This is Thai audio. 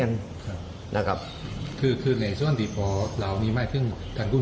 กันนะครับคือคือในส่วนดิภอร์เหล่านี้ไม่เพิ่งทางกุ้ม